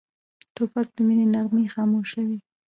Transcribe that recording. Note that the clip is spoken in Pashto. توپک د مینې نغمې خاموشوي.